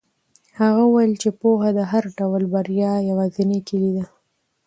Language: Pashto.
هغه وویل چې پوهه د هر ډول بریا یوازینۍ کیلي ده.